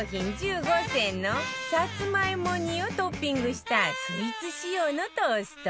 １５選のさつまいも煮をトッピングしたスイーツ仕様のトースト